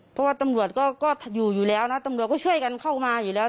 เพราะว่าตำรวจก็อยู่อยู่แล้วนะตำรวจก็ช่วยกันเข้ามาอยู่แล้ว